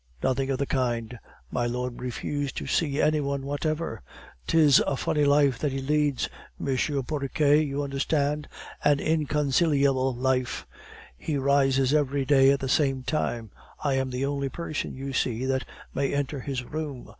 Nothing of the kind! My lord refused to see any one whatever. 'Tis a funny life that he leads, M. Porriquet, you understand. An inconciliable life. He rises every day at the same time. I am the only person, you see, that may enter his room.